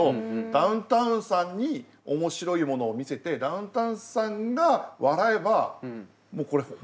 ダウンタウンさんに面白いものを見せてダウンタウンさんが笑えばこれ面白いってことでしょ？